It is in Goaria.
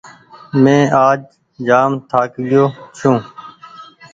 مينٚ آج جآم ٿآڪگيو ڇوٚنٚ